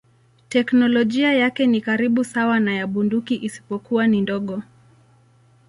Teknolojia yake ni karibu sawa na ya bunduki isipokuwa ni ndogo.